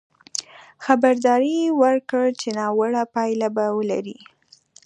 خبرداری یې ورکړ چې ناوړه پایلې به ولري.